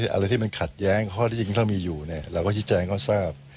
อะไรที่มันขัดแย้งข้อที่จริงถ้ามีอยู่เนี่ยเราก็ชี้แจงเขาทราบ